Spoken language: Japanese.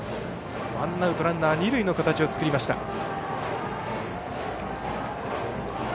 ワンアウトランナー、二塁の形を作りました。